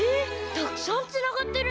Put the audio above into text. たくさんつながってるね！